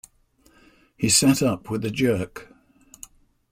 He sat up with a jerk.